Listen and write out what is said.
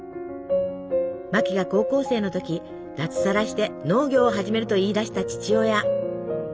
マキが高校生の時脱サラして農業を始めると言い出した父親。